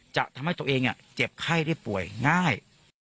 จะทำให้ตัวเองเจ็บไข้ได้ป่วยง่าย